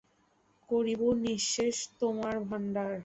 করিব নিঃশেষ তোমার ভাণ্ডার।